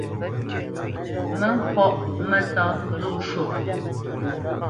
Mǝ ŋkɔ́ʼ mǝ́tá nzó shwô.